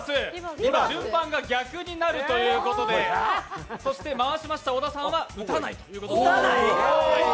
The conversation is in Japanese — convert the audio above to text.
順番が逆になるということで、回しました織田さんは打たないということで。